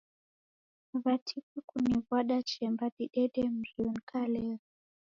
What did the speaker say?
Watima kuniw'wada chemba didede mrio nikalegha.